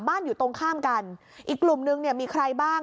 อยู่ตรงข้ามกันอีกกลุ่มนึงเนี่ยมีใครบ้าง